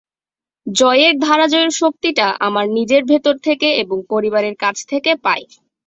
জয়ের ধারাজয়ের শক্তিটা আমার নিজের ভেতর থেকে এবং পরিবারের কাছ থেকে পাই।